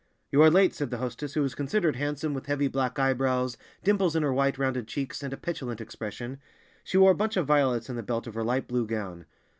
"You are late," said the hostess, who was considered handsome, with heavy black eyebrows, dimples in her white, rounded cheeks, and a petulant expression. She wore a bunch of violets in the belt of her light blue gown.